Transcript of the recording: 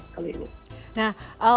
keputusan yang diberikan oleh hakim